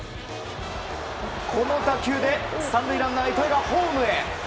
この打球で３塁ランナー糸井がホームへ。